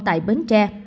tại bến tre